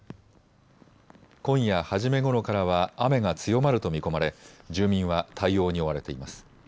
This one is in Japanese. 今夜初めごろからは雨が強まると見込まれ住民は対応に追われています。